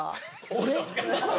俺？